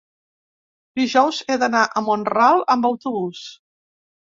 dijous he d'anar a Mont-ral amb autobús.